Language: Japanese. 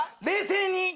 冷静に。